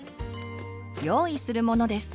用意するものです。